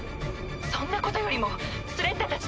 そんなことよりもスレッタたちの救援に。